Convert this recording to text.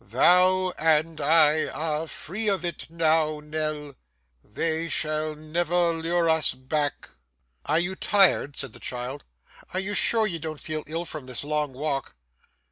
'Thou and I are free of it now, Nell. They shall never lure us back.' 'Are you tired?' said the child, 'are you sure you don't feel ill from this long walk?